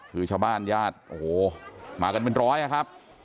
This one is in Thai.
คือชาวบ้านญาติโอ้โหมากันเป็นร้อยนะครับ